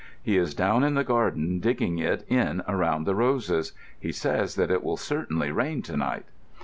"He is down in the garden digging it in around the roses. He says that it will certainly rain to night."